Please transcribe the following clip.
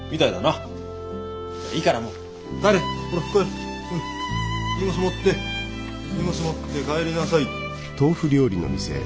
ほら荷物持って荷物持って帰りなさい。